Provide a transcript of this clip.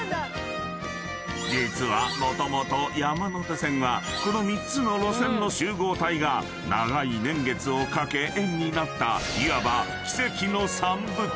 ［実はもともと山手線はこの３つの路線の集合体が長い年月をかけ円になったいわば］